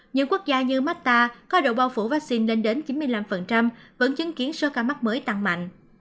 những quốc gia như matta có độ bao phủ vaccine lên đến chín mươi năm vẫn chứng kiến số ca mắc mới tăng mạnh